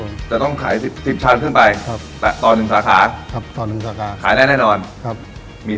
ไม่ได้เป็นชามเป็นอ่างเนี่ย